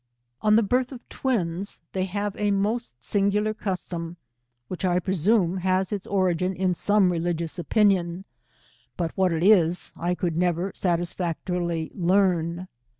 On the birth of twins, they have a most singular custom, which, I presume, has its origin in some religious opinion, but what it is, I could never satisfactorily learn.